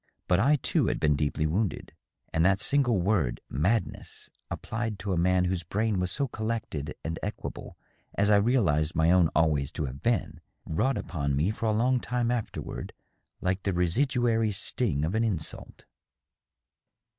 But I too had been deeply wounded, and that single word " madness," applied to a man whose brain was so collected and equable as I realized my own always to have been, wrought upon me for a long time afterward like the residuary sting of an insult.